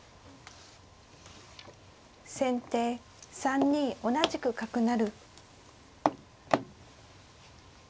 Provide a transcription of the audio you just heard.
先手３二同じく角成。